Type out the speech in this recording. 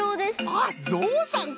あっぞうさんか！